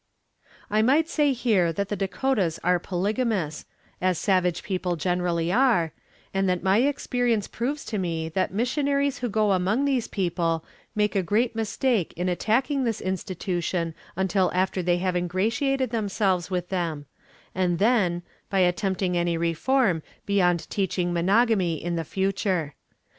I might say here that the Dakotas are polygamous, as savage people generally are, and that my experience proves to me that missionaries who go among these people make a great mistake in attacking this institution until after they have ingratiated themselves with them, and then, by attempting any reform beyond teaching monogamy in the future.